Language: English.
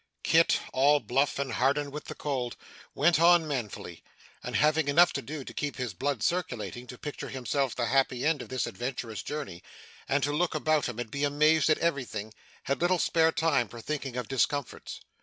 Kit, all bluff and hardened with the cold, went on manfully; and, having enough to do to keep his blood circulating, to picture to himself the happy end of this adventurous journey, and to look about him and be amazed at everything, had little spare time for thinking of discomforts.